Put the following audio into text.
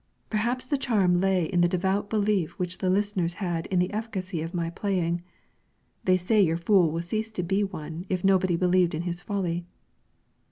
Perhaps the charm lay in the devout belief which the listeners had in the efficacy of my playing. They say your fool would cease to be one if nobody believed in his folly.